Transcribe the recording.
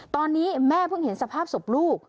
ตอนนี้แม่เพิ่งเห็นสภาพศพลูก